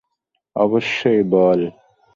অবশ্যই, বল।